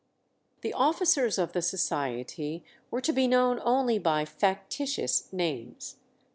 The officers of the society were to be known only by "f_a_ctitious names."